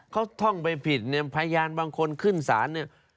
เขาท่องไปผิดเนี่ยพยานบางคนขึ้นศาลเนี่ย